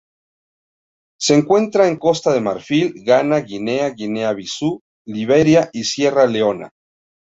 Se encuentra en Costa de Marfil, Ghana, Guinea, Guinea-Bissau, Liberia y Sierra Leona.